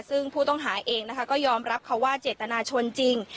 ซึ่งผู้ต้องหาเองนะคะก็ยอมรับเขาว่าเจตนาชนจริง